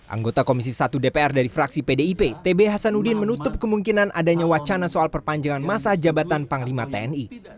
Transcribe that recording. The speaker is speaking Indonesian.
anggota komisi satu dpr dari fraksi pdip tb hasanuddin menutup kemungkinan adanya wacana soal perpanjangan masa jabatan panglima tni